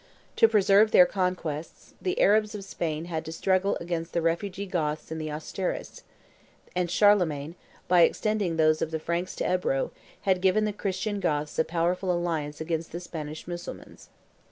To preserve their conquests, the Arabs of Spain had to struggle against the refugee Goths in the Asturias; and Charlemagne, by extending those of the Franks to the Ebro, had given the Christian Goths a powerful alliance against the Spanish Mussulmans.